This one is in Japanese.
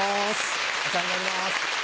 お世話になります。